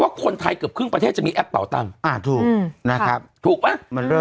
คนไทยเกือบครึ่งประเทศจะมีแอปเป่าตังค์อ่าถูกนะครับถูกไหมมันเริ่ม